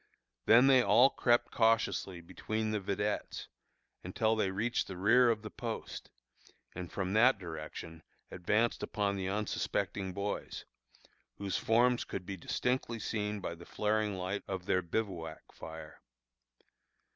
Then they all crept cautiously between the vedettes, until they reached the rear of the post, and from that direction advanced upon the unsuspecting boys, whose forms could be distinctly seen by the flaring light of their bivouac fire.